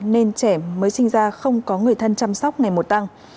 nên trẻ mới sinh ra không có người thân chăm sóc ngày một tăng